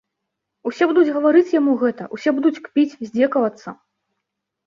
Усе будуць гаварыць яму гэта, усе будуць кпіць, здзекавацца.